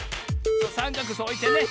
さんかくそうおいてね。